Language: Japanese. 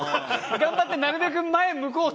頑張ってなるべく前向こうって。